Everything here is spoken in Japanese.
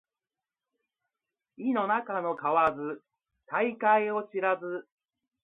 井の中の蛙大海を知らず